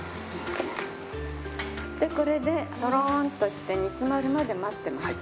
でこれでトローンとして煮詰まるまで待ってます。